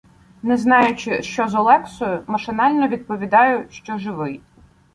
Не знаючи, що з Олексою, машинально відповідаю, що живий.